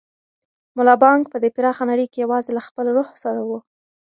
ملا بانګ په دې پراخه نړۍ کې یوازې له خپل روح سره و.